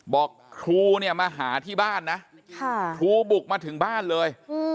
บอกครูเนี่ยมาหาที่บ้านนะครูบุกมาถึงบ้านเลย